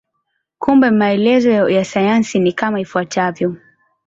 Kumbe maelezo ya sayansi ni kama ifuatavyo.